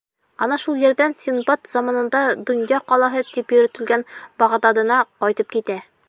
Ана шул ерҙән Синдбад заманында «донъя ҡалаһы» тип йөрөтөлгән Бағдадына ҡайтып китә.